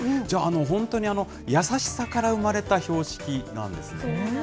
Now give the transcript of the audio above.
じゃあ、本当に優しさから生まれそうなんです。